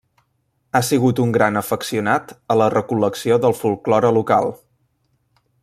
Ha sigut un gran afeccionat a la recol·lecció del folklore local.